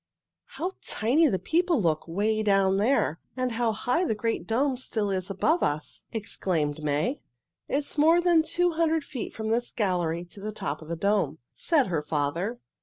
"How tiny the people look 'way down there! And how high the great dome still is above us!" exclaimed May. "It is more than two hundred feet from this gallery to the top of the dome," said her father.